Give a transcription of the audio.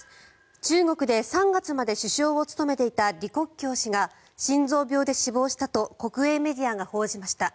中国で３月まで首相を務めていた李克強氏が心臓病で死亡したと国営メディアが報じました。